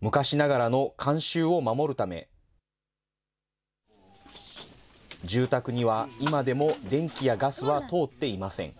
昔ながらの慣習を守るため、住宅には今でも電気やガスは通っていません。